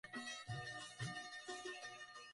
অতঃপর শব্দ বা মন্ত্র-শক্তির কথা উল্লেখ করা উচিত।